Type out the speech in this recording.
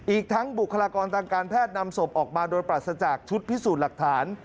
อีกทั้งบุคลากรทางการแพทย์นำศพออกมาโดยปรัสจากชุดพิสูจน์หลักฐาน